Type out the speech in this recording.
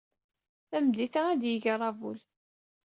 Tameddit-a, ad d-yeg aṛabul.